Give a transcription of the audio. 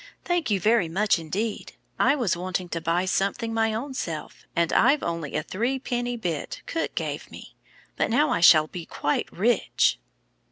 "Thank you very much indeed. I was wanting to buy something my own self, and I've only a little cook gave me, but now I shall be quite rich."